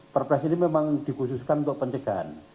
perpres ini memang dikhususkan untuk pencegahan